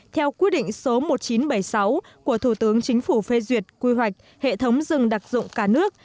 theo quy định số một nghìn chín trăm bảy mươi sáu của thủ tướng chính phủ phê duyệt quy hoạch hệ thống rừng đặc dụng cả nước